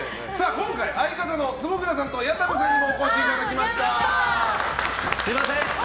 今回、相方の坪倉さんと谷田部さんにもお越しいただきました。